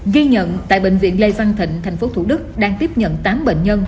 ghi nhận tại bệnh viện lê văn thịnh thành phố thủ đức đang tiếp nhận tám bệnh nhân